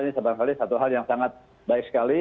ini barangkali satu hal yang sangat baik sekali